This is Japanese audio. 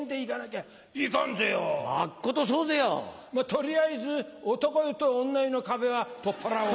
取りあえず男湯と女湯の壁は取っ払おう。